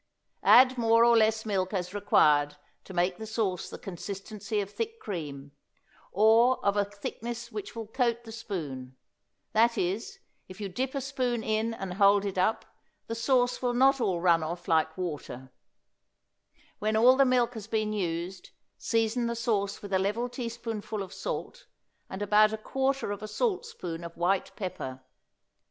Add more or less milk as is required to make the sauce the consistency of thick cream, or of a thickness which will coat the spoon; that is, if you dip a spoon in and hold it up, the sauce will not all run off like water; when all the milk has been used, season the sauce with a level teaspoonful of salt and about a quarter of a salt spoon of white pepper.